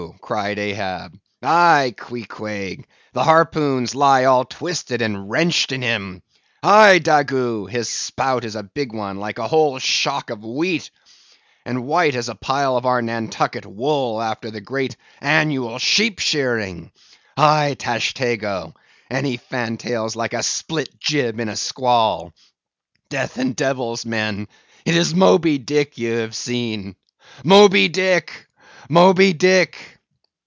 cried Ahab, "aye, Queequeg, the harpoons lie all twisted and wrenched in him; aye, Daggoo, his spout is a big one, like a whole shock of wheat, and white as a pile of our Nantucket wool after the great annual sheep shearing; aye, Tashtego, and he fan tails like a split jib in a squall. Death and devils! men, it is Moby Dick ye have seen—Moby Dick—Moby Dick!"